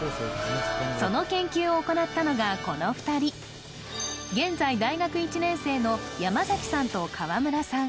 その研究を行ったのがこの２人現在大学１年生の山さんと川村さん